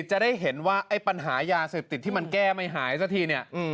จะได้เห็นว่าไอ้ปัญหายาเสพติดที่มันแก้ไม่หายสักทีเนี่ย